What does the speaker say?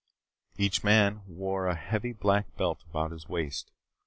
Each man wore a heavy black belt about his waist.